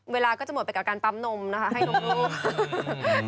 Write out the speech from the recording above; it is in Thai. เวลาก็จะหมดไปกับการปั๊มนมนะคะให้นมลูก